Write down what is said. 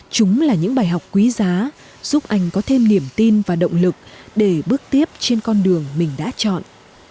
chúng là những bài học quý giá giúp anh có thêm niềm tin và động lực để bước tiếp trên con đường mình đã chọn